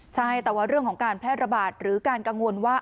ใช่แต่ว่าเรื่องของการแพร่ระบาดหรือการกังวลว่า